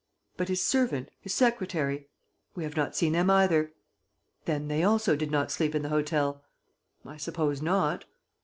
"But his servant? His secretary?" "We have not seen them either." "Then they also did not sleep in the hotel?" "I suppose not."